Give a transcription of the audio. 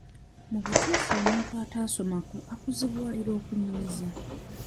Mu butuufu omuntu ataasomako akuzibuwalira okunyumiza.